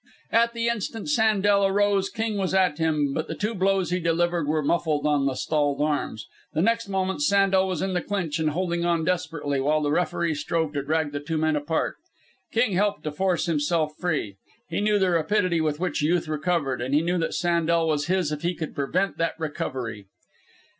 At the instant Sandel arose, King was at him, but the two blows he delivered were muffled on the stalled arms. The next moment Sandel was in the clinch and holding on desperately while the referee strove to drag the two men apart. King helped to force himself free. He knew the rapidity with which Youth recovered, and he knew that Sandel was his if he could prevent that recovery.